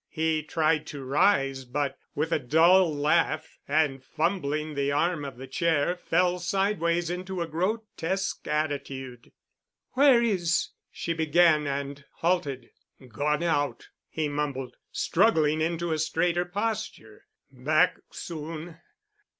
He tried to rise but, with a dull laugh and fumbling the arm of the chair, fell sideways into a grotesque attitude. "Where is——?" she began, and halted. "Gone out," he mumbled, struggling into a straighter posture, "back soon."